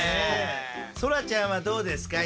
そらちゃんはどうですか？